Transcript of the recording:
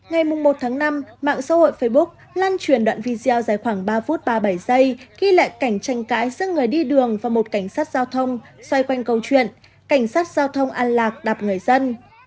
ngày một tháng năm mạng xã hội facebook lan truyền đoạn video dài khoảng ba phút ba mươi bảy giây ghi lại cảnh tranh cãi giữa người đi đường và một cảnh sát giao thông xoay quanh câu chuyện cảnh sát giao thông an lạc người dân